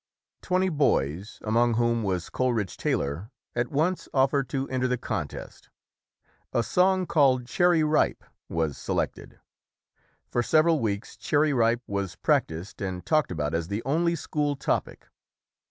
Twenty boys, among whom was Coleridge Taylor, at once offered to enter the contest. A song called "Cherry Ripe" was se lected. For several weeks "Cherry Ripe" was practiced and talked about as the only school topic.